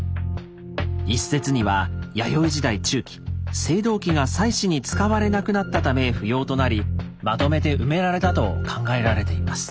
一説には弥生時代中期青銅器が祭祀に使われなくなったため不要となりまとめて埋められたと考えられています。